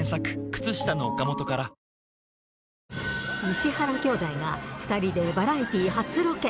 石原兄弟が２人でバラエティー初ロケ。